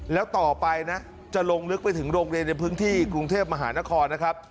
แล้วต่อไปนะจะลงลึกไปถึงโรงเรียนในพื้นที่กรุงเทพมหานครนะครับ